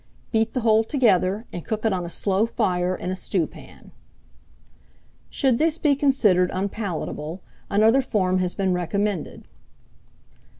Beat the whole together, and cook it on a slow fire in a stewpan." Should this be considered unpalatable, another form has been recommended.